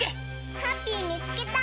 ハッピーみつけた！